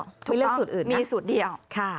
ไม่เลือกสูตรอื่นครับถูกต้องมีสูตรเดียว